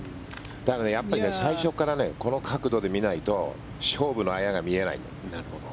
やっぱり最初からこの角度で見ないと勝負のあやが見えないんだよね。